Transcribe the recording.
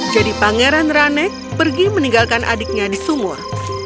jadi pangeran raneq pergi meninggalkan adiknya di sumur